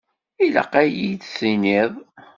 Ilaq ad yi-d-tiniḍ.